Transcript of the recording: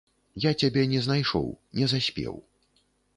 Я цябе не знайшоў, не заспеў.